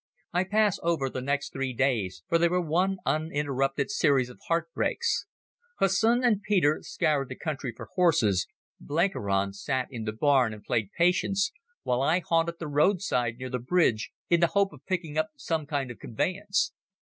I pass over the next three days, for they were one uninterrupted series of heart breaks. Hussin and Peter scoured the country for horses, Blenkiron sat in the barn and played Patience, while I haunted the roadside near the bridge in the hope of picking up some kind of conveyance.